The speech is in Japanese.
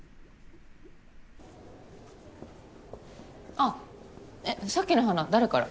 あっさっきの花誰から？